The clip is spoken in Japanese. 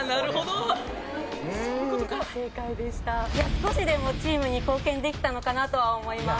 少しでもチームに貢献できたのかなとは思います。